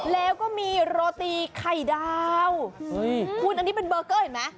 แล้วก็มีโรตีไข่ดาวคุณอันนี้เป็นเบอร์เกอร์เห็นไหม